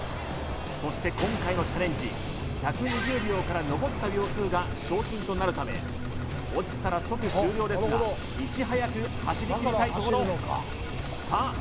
そして今回のチャレンジ１２０秒から残った秒数が賞金となるため落ちたら即終了ですがいち早く走り切りたいところさあ